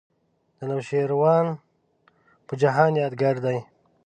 د نوشیروان په جهان یادګار دی.